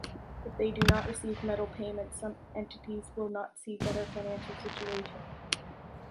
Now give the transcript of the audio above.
If they do not receive metal payments, some entities will not see a better financial situation.